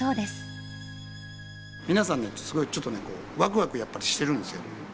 皆さんねすごいちょっとねこうワクワクやっぱりしてるんですよ。